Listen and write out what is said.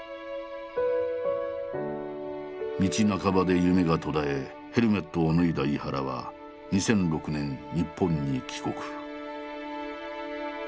道半ばで夢が途絶えヘルメットを脱いだ井原は２００６年日本に帰国。